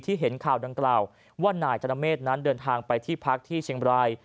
เห็นข่าวดังกล่าวว่านายธนเมฆนั้นเดินทางไปที่พักที่เชียงบราย